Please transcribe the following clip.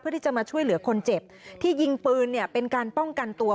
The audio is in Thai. ที่จะมาช่วยเหลือคนเจ็บที่ยิงปืนเนี่ยเป็นการป้องกันตัว